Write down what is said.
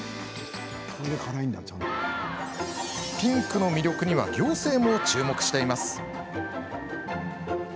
ピンクの魅力には行政も注目しています。